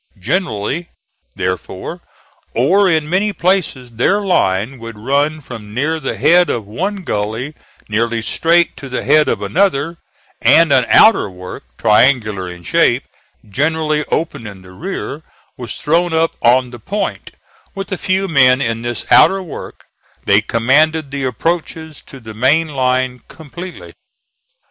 Generally therefore, or in many places, their line would run from near the head of one gully nearly straight to the head of another, and an outer work triangular in shape, generally open in the rear, was thrown up on the point; with a few men in this outer work they commanded the approaches to the main line completely.